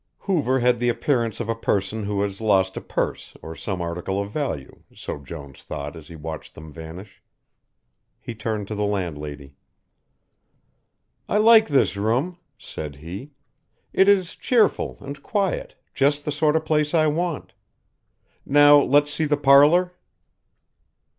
Hoover had the appearance of a person who has lost a purse or some article of value, so Jones thought as he watched them vanish. He turned to the landlady. "I like this room," said he, "it is cheerful and quiet, just the sort of place I want. Now let's see the parlour."